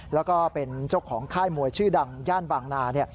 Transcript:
แล้วก็เป็นเจ้าของค่ายมวยชื่อดังย่านบางนา